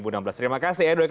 terima kasih edo ekaris